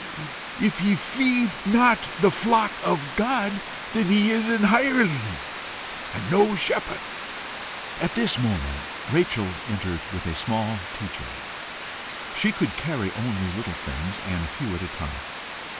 If he feed not the flock of God, then is he an hireling and no shepherd." At this moment, Rachel entered with a small tea tray: she could carry only little things, and a few at a time.